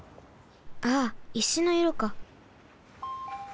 ああ石のいろか。